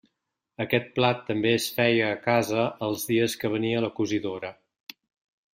Aquest plat també es feia a casa els dies que venia la cosidora.